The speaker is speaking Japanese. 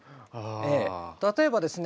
例えばですね